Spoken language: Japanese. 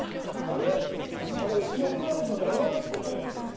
あれうちのクラスの山内とかいうヤツや。